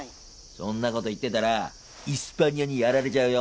そんなこと言ってたらイスパニアにやられちゃうよ。